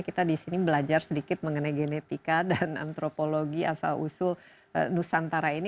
kita di sini belajar sedikit mengenai genetika dan antropologi asal usul nusantara ini